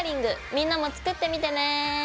みんなも作ってみてね！